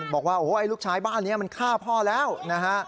บอกว่าโอ้โหไอ้ลูกชายบ้านนี้มันฆ่าพ่อแล้วนะฮะ